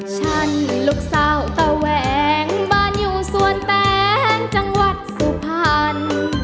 ฉันลูกสาวตะแหวงบ้านอยู่สวนแตงจังหวัดสุพรรณ